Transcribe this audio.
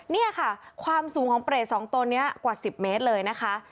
นี่ค่ะความสูงของเปรต๒ตัวนี้กว่า๑๐เมตรเลยนะคะ